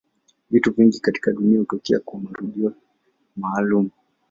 Vitu vingi katika dunia hutokea kwa marudio maalumu.